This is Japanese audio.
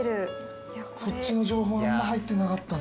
そっちの情報あんま入ってなかったな。